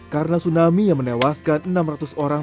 karena tsunami yang menewaskan enam ratus orang